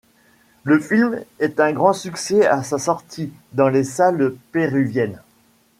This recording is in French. Le film est un grand succès à sa sortie dans les salles péruviennes.